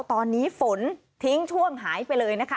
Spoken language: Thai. ตอนนี้ฝนทิ้งช่วงหายไปเลยนะคะ